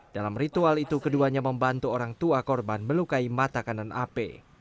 dalam ritual itu keduanya membantu orang tua korban melukai mata kanan ap